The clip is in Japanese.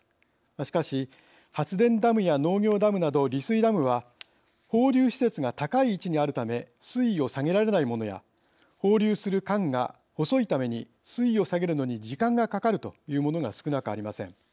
しかし発電ダムや農業ダムなど利水ダムは放流施設が高い位置にあるため水位を下げられないものや放流する管が細いために水位を下げるのに時間がかかるというものが少なくありません。